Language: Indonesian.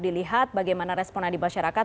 dilihat bagaimana responnya di masyarakat